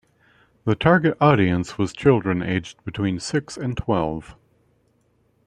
The target audience was children aged between six and twelve.